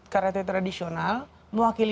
karate tradisional mewakili